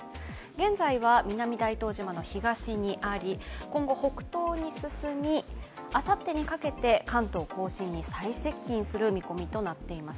現在は南大東島の東にあり今後北東に進み、あさってにかけて関東甲信に最接近する見込みとなっています。